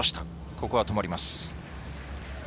ここは止まります。